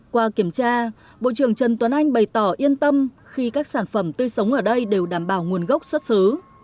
qua kiểm tra bộ trưởng trần tuấn anh bày tỏ yên tâm khi các sản phẩm tươi sống ở đây đều đảm bảo nguồn gốc xuất xứ